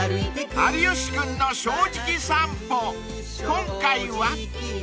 ［今回は］